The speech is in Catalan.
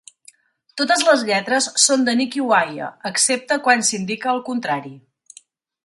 Totes les lletres són de Nicky Wire, excepte quan s'indica el contrari.